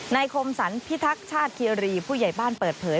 คมสรรพิทักษ์ชาติคีรีผู้ใหญ่บ้านเปิดเผย